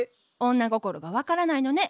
女心が分からないのね。